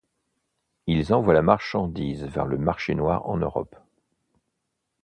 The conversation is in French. Ils envoient la marchandise vers le marché noir en Europe.